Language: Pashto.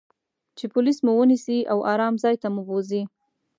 چې پولیس مو و نییسي او آرام ځای ته مو بوزي.